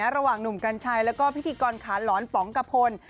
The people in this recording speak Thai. ระหว่างหนุ่มกัญชัยแล้วก็พิธีกรขาหลอนป๋องกะพล